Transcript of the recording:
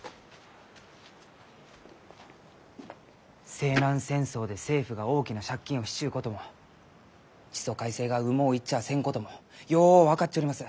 西南戦争で政府が大きな借金をしちゅうことも地租改正がうもういっちゃあせんこともよう分かっちょります。